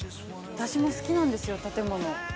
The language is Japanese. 私も好きなんですよ、建物。